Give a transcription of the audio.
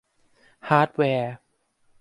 ฮาร์ดแวร์